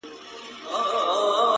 ځوان ولاړ سو ـ